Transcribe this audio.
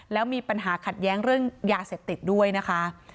แล้วมีปัญหาขัดแย้งเรื่องยาเสพติดด้วยนะคะ